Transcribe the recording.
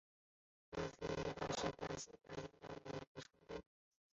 伊塔茹伊皮是巴西巴伊亚州的一个市镇。